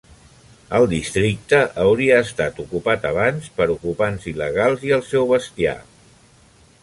El districte hauria estat ocupat abans per ocupants il·legals i el seu bestiar.